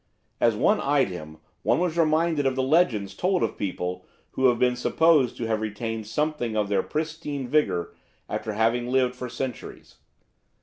As one eyed him one was reminded of the legends told of people who have been supposed to have retained something of their pristine vigour after having lived for centuries.